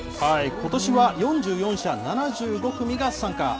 ことしは４４社７５組が参加。